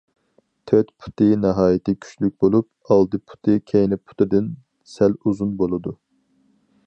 تۆت پۇتى ناھايىتى كۈچلۈك بولۇپ، ئالدى پۇتى كەينى پۇتىدىن سەل ئۇزۇن بولىدۇ.